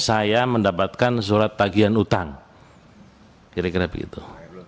saya mendapatkan surat tagian utang kira kira begitu